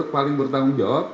paling bertanggung jawab